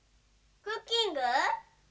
クッキング？